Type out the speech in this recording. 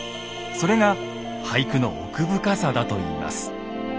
それが俳句の奥深さだといいます。